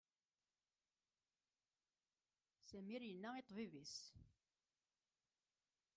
Sami yenna-t i umajjay-ines.